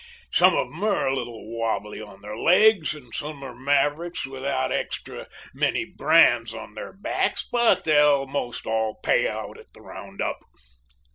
Some of 'em are a little wobbly on their legs, and some are mavericks without extra many brands on their backs, but they'll most all pay out at the round up."